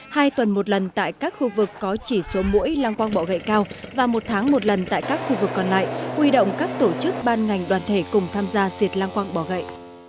hai tuần một lần tại các khu vực có chỉ số mũi lang quang bỏ gậy cao và một tháng một lần tại các khu vực còn lại huy động các tổ chức ban ngành đoàn thể cùng tham gia diệt lang quang bỏ gậy